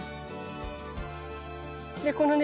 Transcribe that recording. でこのね